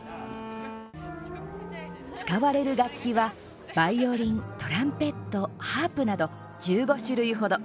使われる楽器はバイオリン、トランペットハープなど１５種類程。